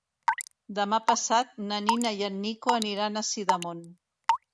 Demà passat na Nina i en Nico aniran a Sidamon.